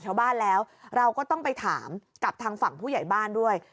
ชาวบ้านแล้วเราก็ต้องไปถามกับทางฝั่งผู้ใหญ่บ้านด้วย